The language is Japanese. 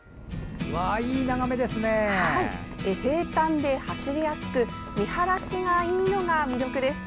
平坦で走りやすく見晴らしがいいのが魅力です。